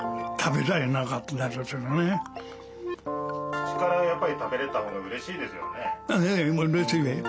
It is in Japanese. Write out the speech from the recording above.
口からやっぱり食べれたほうがうれしいですよね？